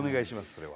それは。